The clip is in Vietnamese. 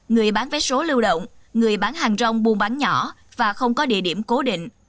người bán vé số lưu động người bán hàng rong buôn bán nhỏ và không có địa điểm cố định